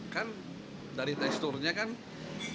kampung ini juga menggunakan bubur yang berbeda